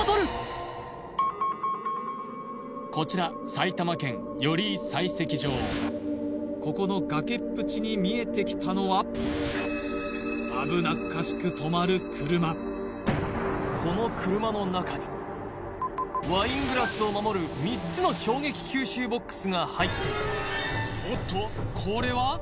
こちらここの崖っぷちに見えてきたのは危なっかしくとまる車この車の中にワイングラスを守る３つの衝撃吸収ボックスが入っているおっとこれは？